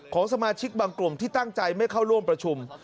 ของสมาชิกบางกลุ่มที่ตั้งใจไม่เข้าร่วมประชุม